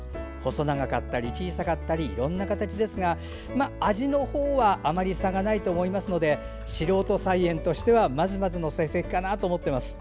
細長かったり小さかったりいろんな形ですが味のほうはあまり差がないと思いますので素人菜園としてはまずまずの成績かなと思ってます。